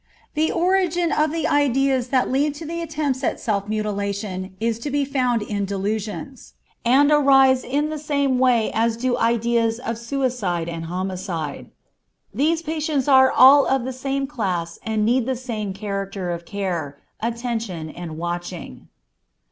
The origin of the ideas that lead to the attempts at self mutilation is to be found in delusions, and arise in the same way as do ideas of suicide and homicide. These patients are all of the same class and need the same character of care, attention, and watching.